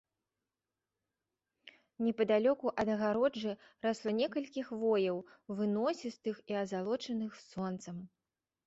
Непадалёку ад агароджы расло некалькі хвояў, выносістых і азалочаных сонцам.